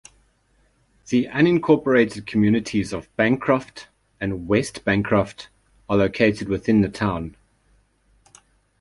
The unincorporated communities of Bancroft and West Bancroft are located within the town.